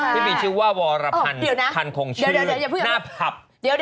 ที่มีชื่อว่าวารพรรณคล่านคงชื่อน่าพัพ